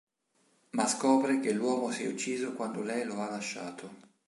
Ma scopre che l'uomo si è ucciso quando lei lo ha lasciato.